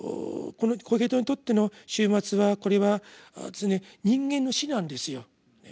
このコヘレトにとっての終末はこれは人間の死なんですよ。